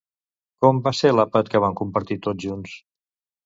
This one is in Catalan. Com va ser l'àpat que van compartir tots junts?